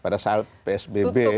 pada saat psbb